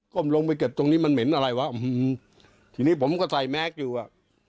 ลงไปเก็บตรงนี้มันเหม็นอะไรวะทีนี้ผมก็ใส่แมสอยู่อ่ะ